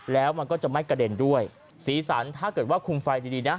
แล้วมันก็จะไม่กระเด็นด้วยสีสันถ้าเกิดว่าคุมไฟดีดีนะ